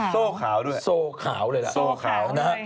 โซ่ขาวด้วยโซ่ขาวด้วย